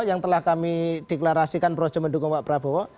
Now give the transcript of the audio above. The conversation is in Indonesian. yang telah kami deklarasikan projo mendukung pak prabowo